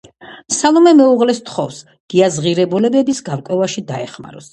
სალომე მეუღლეს სთხოვს, გიას ღირებულებების გარკვევაში დაეხმაროს.